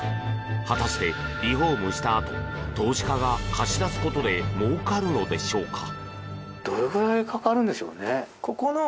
果たして、リフォームしたあと投資家が貸し出すことでもうかるのでしょうか？